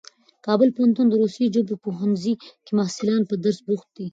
کابل پوهنتون د روسي ژبو پوهنځي کې محصلان په درس بوخت دي.